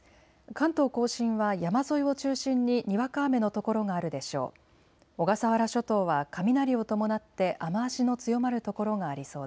関東甲信は山沿いを中心ににわか雨の所があるでしょう。